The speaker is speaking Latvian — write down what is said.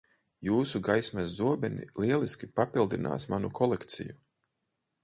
Jūsu gaismas zobeni lieliski papildinās manu kolekciju.